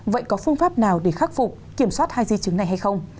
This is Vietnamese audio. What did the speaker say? vậy có phương pháp nào để khắc phục kiểm soát hai di chứng này hay không